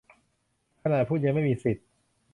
ขนาดพูดยังไม่มีสิทธิ